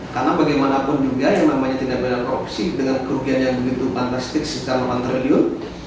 karena bagaimanapun juga yang namanya tindakan korupsi dengan kerugian yang begitu fantastik sekitar delapan triliun